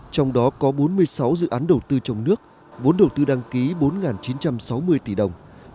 trong đó có bốn mươi sáu dự án đầu tư trong nước vốn đầu tư đăng ký bốn chín trăm sáu mươi tỷ đồng